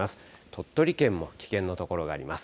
鳥取県も危険の所があります。